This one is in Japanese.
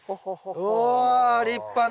うお立派な。